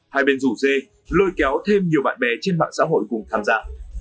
hai bên rủ dê lôi kéo thêm nhiều bạn bè trên mạng xã hội cùng tham gia